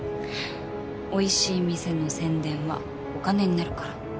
おいしい店の宣伝はお金になるから。